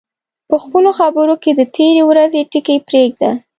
په خپلو خبرو کې د تېرې ورځې ټکي پرېږده